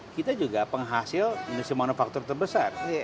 kita juga penghasil industri manufaktur terbesar